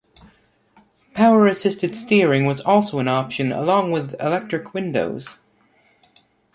Power assisted steering was also an option along with electric windows.